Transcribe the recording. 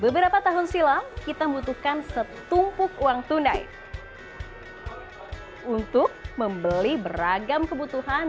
beberapa tahun silam kita membutuhkan setumpuk uang tunai untuk membeli beragam kebutuhan